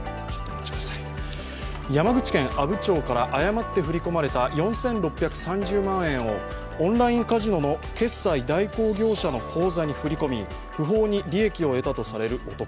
山口県阿武町から誤って振り込まれた４６３０万円をオンラインカジノの決済代行業者の口座に振り込み不法に利益を得たとされる男。